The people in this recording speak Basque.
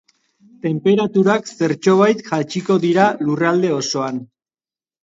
Tenperaturak zertxobait jaitsiko dira lurralde osoan.